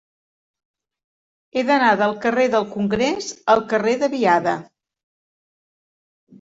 He d'anar del carrer del Congrés al carrer de Biada.